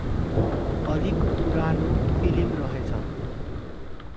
अलिक पुरानो फिलिम रहेछ ।